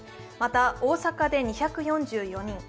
また大阪で２４４人